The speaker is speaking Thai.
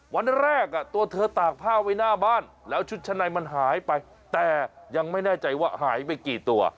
วันแรกตัวเธอตากผ้าไว้หน้าบ้านแล้วชุดชั้นในมันหายไปแต่ยังไม่แน่ใจว่าหายไปกี่ตัว